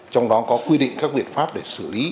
trong đó có quy định các biện pháp để xử lý